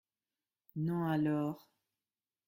Non alors !